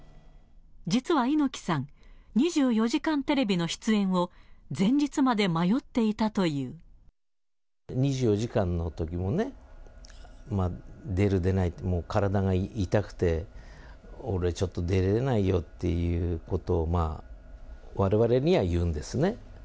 実は猪木さん、２４時間テレビの出演を、前日まで迷っていたとい２４時間のときもね、出る、出ないって、体が痛くて、俺、ちょっと出れないよっていうことを、まあ、われわれには言うんですね。